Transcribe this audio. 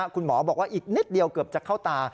คุณหมอบอกว่าอีกนิดเดียวเกือบจะเข้าตา